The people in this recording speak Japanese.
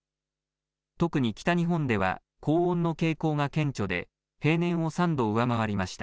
特に北日本では、高温の傾向が顕著で、平年を３度上回りました。